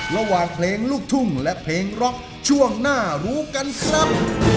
ระหว่างเพลงลูกทุ่งและเพลงร็อกช่วงหน้ารู้กันครับ